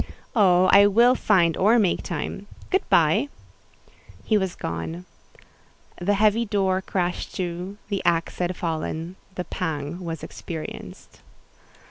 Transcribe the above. "Oh! I will find or make time. Good by!" He was gone. The heavy door crashed to: the axe had fallen—the pang was experienced.